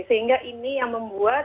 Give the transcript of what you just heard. sehingga ini yang membuat